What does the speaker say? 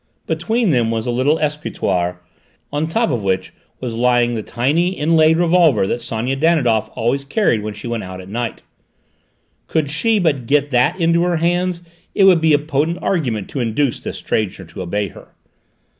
Between them was a little escritoire, on the top of which was lying the tiny inlaid revolver that Sonia Danidoff always carried when she went out at night. Could she but get that into her hands it would be a potent argument to induce this stranger to obey her.